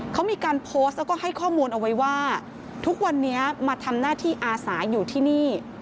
เขามีการโพสต์แล้วก็ให้ข้อมูลเอาไว้ว่าทุกวันนี้มาทำหน้าที่อาสาอยู่ที่นี่